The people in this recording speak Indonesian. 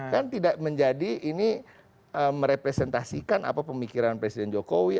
kan tidak menjadi ini merepresentasikan apa pemikiran presiden jokowi